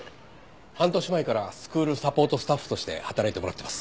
半年前からスクールサポートスタッフとして働いてもらってます。